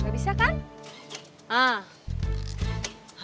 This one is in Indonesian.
harus nedekin sama tak "